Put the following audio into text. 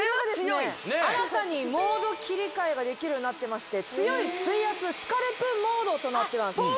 新たにモード切り替えができるようになってまして強い水圧スカルプモードとなってます